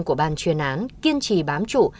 của ban chuyên án kiên trì bám chủ